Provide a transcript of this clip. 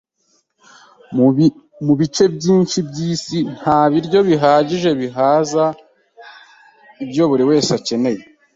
Mu bice byinshi byisi, nta biryo bihagije bihaza ibyo buri wese akeneye.